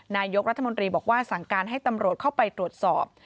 นายกรัฐมนตรีบอกว่าสั่งการให้ตำรวจเข้าไปตรวจสอบ